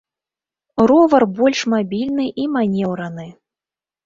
Ровар больш мабільны і манеўраны.